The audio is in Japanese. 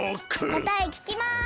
こたえききます。